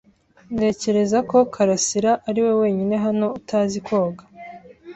Ntekereza ko karasira ariwe wenyine hano utazi koga.